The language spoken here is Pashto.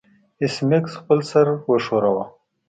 ایس میکس خپل سر وښوراوه